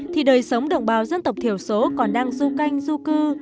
thì đời sống đồng bào dân tộc thiểu số còn đang du canh du cư